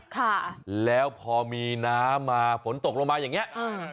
ค่ะแล้วพอมีน้ำมาฝนตกลงมาอย่างเงี้อืม